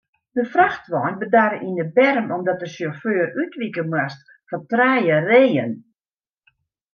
In frachtwein bedarre yn de berm omdat de sjauffeur útwike moast foar trije reeën.